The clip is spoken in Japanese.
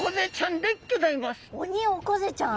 オニオコゼちゃん？